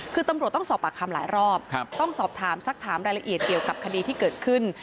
คือตำรวจต้องสอบปากคำหลายรอบต้องสอบถามสักถามรายละเอียดเกี่ยวกับคดีที่เกิดขึ้น